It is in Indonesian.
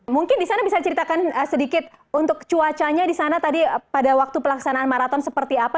mungkin di sana bisa ceritakan sedikit untuk cuacanya di sana tadi pada waktu pelaksanaan maraton seperti apa